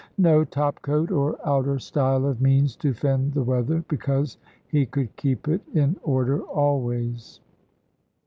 No topcoat or outer style of means to fend the weather, because he could keep it in order always.